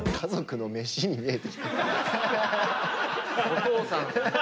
お父さん。